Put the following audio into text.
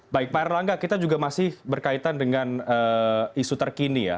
baik pak erlangga kita juga masih berkaitan dengan isu terkini ya